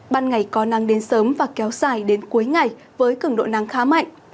ban ngày có nắng đến sớm và kéo dài đến cuối ngày với cứng độ nắng khá mạnh